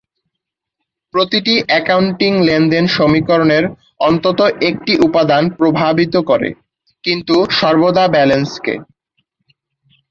প্রতিটি অ্যাকাউন্টিং লেনদেন সমীকরণের অন্তত একটি উপাদান প্রভাবিত করে, কিন্তু সর্বদা ব্যালেন্সকে।